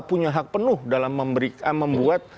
punya hak penuh dalam membuat